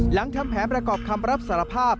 ทำแผนประกอบคำรับสารภาพ